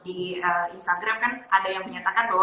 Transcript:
di instagram kan ada yang menyatakan bahwa